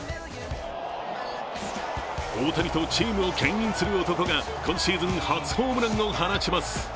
大谷とチームを牽引する男が今シーズン初ホームランを放ちます。